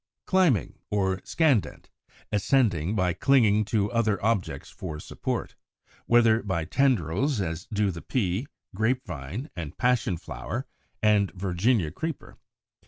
Climbing or Scandent, ascending by clinging to other objects for support, whether by tendrils, as do the Pea, Grape Vine, and Passion flower and Virginia Creeper (Fig.